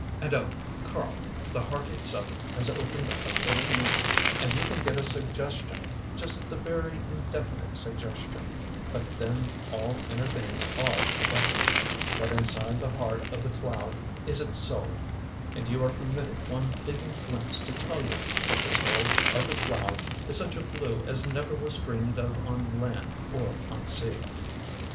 And oh, Karl the heart itself has opened a little now, and you can get a suggestion, just a very indefinite suggestion but then all inner things are indefinite that inside the heart of the cloud is its soul, and you are permitted one fleeting glimpse to tell you that the soul of the cloud is such a blue as never was dreamed of on land or on sea."